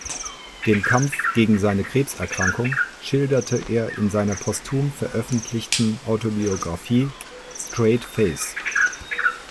Den Kampf gegen seine Krebserkrankung schilderte er in seiner postum veröffentlichten Autobiographie "Straight Face".